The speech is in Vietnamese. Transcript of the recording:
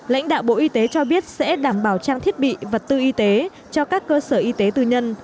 lãnh đạo bộ y tế cho biết sẽ đảm bảo trang thiết bị vật tư y tế cho các cơ sở y tế tư nhân